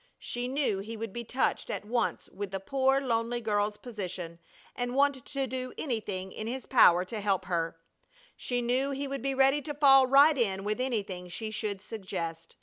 She knew he would be touched at once with the poor, lonely girl's position, and want to do anything in his power to help her. She knew he would be ready to fall right in with anything she should suggest.